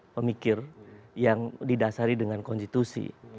pemikir yang didasari dengan konstitusi